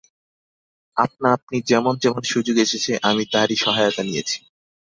আপনা-আপনি যেমন যেমন সুযোগ এসেছে, আমি তারই সহায়তা নিয়েছি।